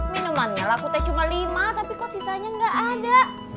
minumannya lah aku teh cuma lima tapi kok sisanya ga ada